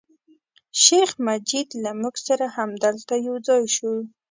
شیخ مجید له موږ سره همدلته یو ځای شو.